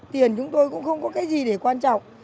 tiền chúng tôi cũng không có cái gì để quan trọng